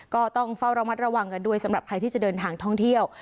ก็ต้องเฝ้าระมัดระวังกันด้วยสำหรับใครที่จะเดินทางท่องเที่ยว